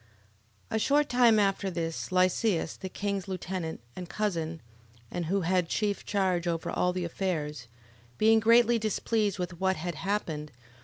11:1. A short time after this Lysias, the king's lieutenant, and cousin, and who had chief charge over all the affairs, being greatly displeased with what had happened, 11:2.